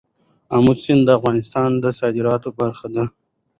آمو سیند د افغانستان د صادراتو برخه ده.